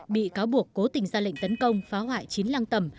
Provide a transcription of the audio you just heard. bị cáo buộc cố tình ra lệnh tấn công phá hoại chín lăng tầm